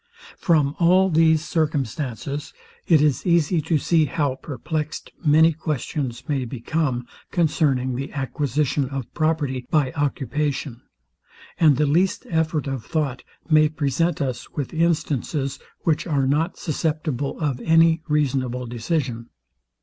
From all these circumstances, it is easy to see how perplexed many questions may become concerning the acquisition of property by occupation; and the least effort of thought may present us with instances, which are not susceptible of any reasonable decision.